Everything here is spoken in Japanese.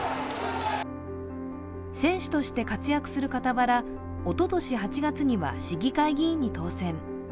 選手として活躍する傍ら、おととし８月には市議会議員に当選。